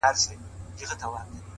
هغه مي سرې سترگي زغملای نسي ـ